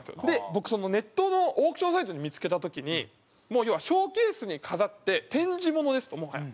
僕ネットのオークションサイトで見付けた時にもう要はショーケースに飾って「展示物です」ともはや。